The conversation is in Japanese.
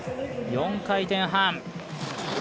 ４回転半。